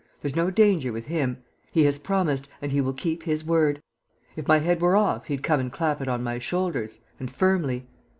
There's no danger with him. He has promised and he will keep his word. If my head were off, he'd come and clap it on my shoulders and firmly!